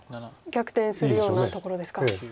逆転するようなところですか。